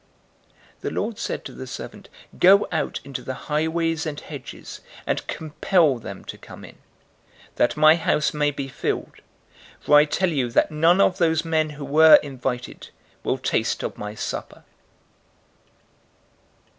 014:023 "The lord said to the servant, 'Go out into the highways and hedges, and compel them to come in, that my house may be filled. 014:024 For I tell you that none of those men who were invited will taste of my supper.'"